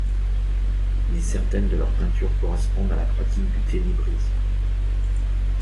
Mais certaines de leurs peintures correspondent à la pratique du ténébrisme.